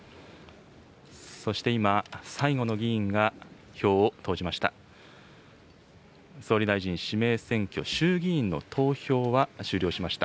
そして今、最後の議員が票を投じました。